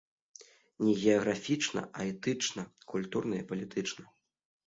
Не геаграфічна, а этычна, культурна і палітычна.